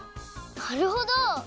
なるほど！